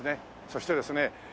そしてですね